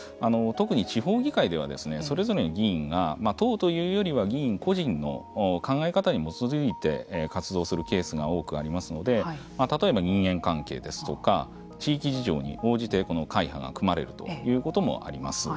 特に地方議会ではそれぞれの議員が党というよりは議員個人の考え方に基づいて活動するケースが多くありますので例えば、人間関係ですとか地域事情に応じて会派が組まれるということもあります。